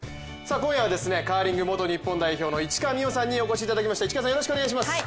今夜はカーリング元日本代表の市川美余さんにお越しいただきました。